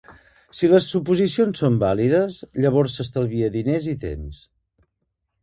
Si les suposicions són vàlides, llavors s'estalvia diners i temps.